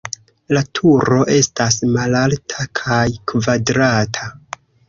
La turo estas malalta kaj kvadrata.